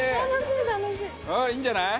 いいんじゃない？